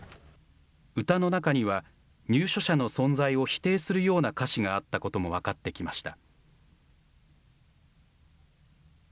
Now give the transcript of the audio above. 歌の中には、入所者の存在を否定するような歌詞があったことも分かってきました。